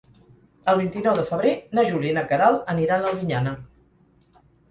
El vint-i-nou de febrer na Júlia i na Queralt aniran a Albinyana.